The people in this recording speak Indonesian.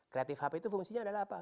creative hub itu fungsinya adalah apa